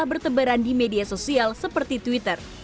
bertebaran di media sosial seperti twitter